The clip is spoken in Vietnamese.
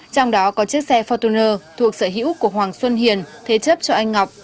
trong đó có chiếc xe fortuner thuộc sở hữu của hoàng xuân hiền thế chấp cho anh ngọc